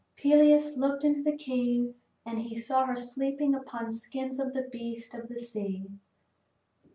Peleus looked into the cave and he saw her sleeping upon skins of the beasts of the sea.